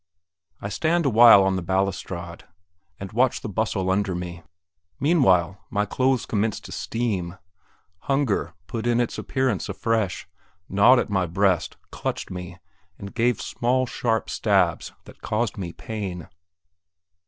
I stand a while on the balustrade, and watch the bustle under me. Meanwhile, my clothes commenced to steam. Hunger put in its appearance afresh, gnawed at my breast, clutched me, and gave small, sharp stabs that caused me pain.